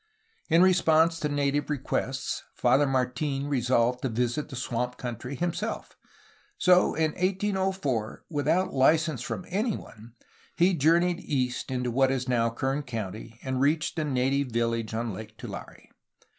In response to native requests Father Martin resolved to visit the swamp country himself. So in 1804, without license from anyone, he journeyed east into what is now Kern County, and reached a native village on Lake Tulare.